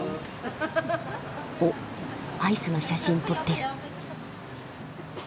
おっアイスの写真撮ってる。